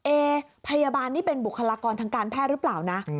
เอพยาบาลนี่เป็นบุคลากรทางการแพทย์หรือเปล่านะ